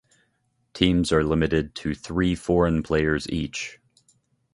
Teams are limited to three foreign players each.